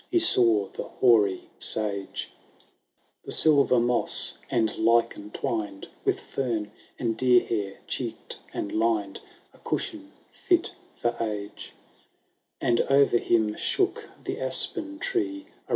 He saw the hoary Sage : The silver moss and lichen twined. With fern and deer hair checked and lined, A cushion fit for age *, And o*er him shook the aspen tree, A resUess rustling canopy.